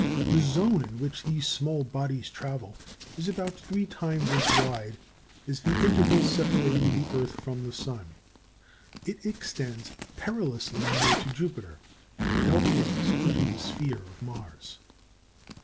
The zone in which these small bodies travel is about three times as wide as the interval separating the earth from the sun. It extends perilously near to Jupiter, and dovetails into the sphere of Mars.